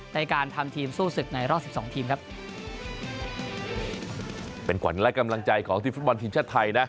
ในการทำทีมสู้ศึกในรอบสิบสองทีมครับเป็นขวัญและกำลังใจของทีมฟุตบอลทีมชาติไทยนะ